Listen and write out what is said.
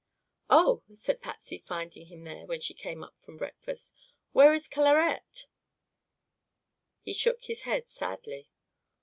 "Oh," said Patsy, finding him there when she came up from breakfast, "where is Clarette?" He shook his head sadly.